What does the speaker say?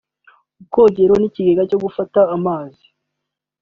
ubwogero n’ikigega cyo gufata amazi